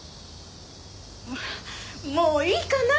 もういいかな？